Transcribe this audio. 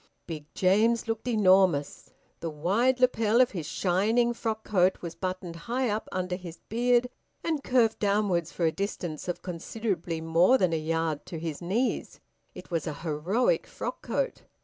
Big James looked enormous. The wide lapel of his shining frock coat was buttoned high up under his beard and curved downwards for a distance of considerably more than a yard to his knees: it was a heroic frock coat.